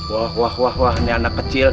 wah wah wah wah ini anak kecil